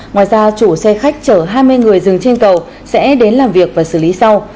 ngoài ra chủ xe khách chở hai mươi người dừng trên cầu sẽ đến làm việc và xử lý sau